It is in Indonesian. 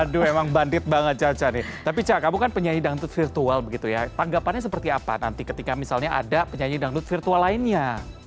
aduh emang bandit banget caca nih tapi cak kamu kan penyanyi dangdut virtual begitu ya tanggapannya seperti apa nanti ketika misalnya ada penyanyi dangdut virtual lainnya